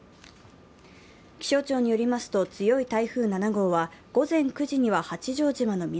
気象庁によりますと強い台風７号は午前９時には八丈島の南